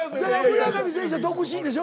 村上選手は独身でしょ？